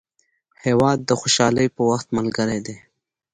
هېواد د خوشحالۍ په وخت ملګری دی.